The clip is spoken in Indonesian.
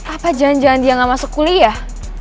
apa jangan jangan dia gak masuk kuliah